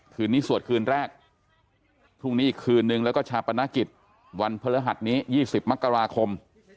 คืนนี้สวดคืนแรกพรุ่งนี้อีกคืนนึงแล้วก็ชาปนกิจวันพฤหัสนี้๒๐มกราคม